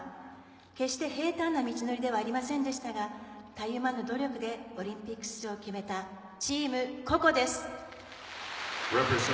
決して平たんな道のりではありませんでしたがたゆまぬ努力でオリンピック出場を決めたチームココです。